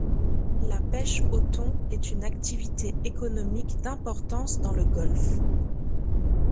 La pêche au thon est une activité économique d'importance dans le golfe.